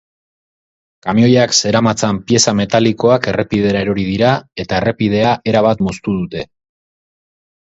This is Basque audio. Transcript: Kamioiak zeramatzan pieza metalikoak errepidera erori dira eta errepidea erabat moztu dute.